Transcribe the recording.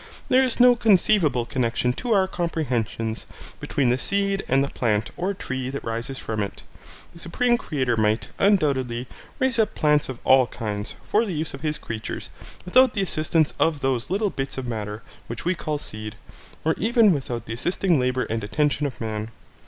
There is no conceivable connection to our comprehensions, between the seed and the plant or tree that rises from it. The Supreme Creator might, undoubtedly, raise up plants of all kinds, for the use of his creatures, without the assistance of those little bits of matter, which we call seed, or even without the assisting labour and attention of man.